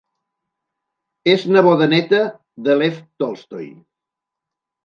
És neboda neta de Lev Tolstoi.